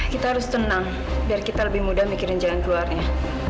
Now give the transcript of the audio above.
kita harus tenang biar kita lebih mudah mikirin jalan keluarnya